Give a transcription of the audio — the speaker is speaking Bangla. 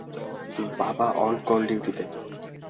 বাবা অন-কল ডিউটিতে।